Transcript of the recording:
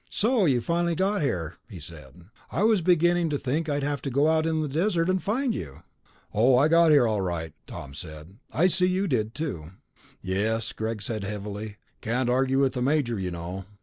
"So you got here, finally," he said. "I was beginning to think I'd have to go out on the desert and find you." "Oh, I got here, all right," Tom said. "I see you did too." "Yes," Greg said heavily. "Can't argue with the major, you know."